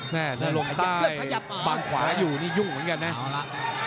แล้วลงใต้วางขวาอยู่มียุ่งเหมือนกันนะ